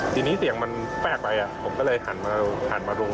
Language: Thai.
ทีนี้เสียงมันแปลกไปผมก็เลยหันมาดู